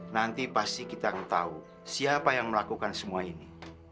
nanti pasti kita tahu siapa yang melakukan semua ini